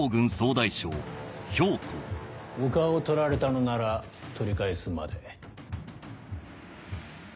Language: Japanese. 丘を取られたのなら取り返すまで。